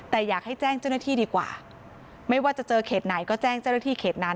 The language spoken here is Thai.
แต่อยากให้แจ้งเจ้าหน้าที่ดีกว่าไม่ว่าจะเจอเขตไหนก็แจ้งเจ้าหน้าที่เขตนั้น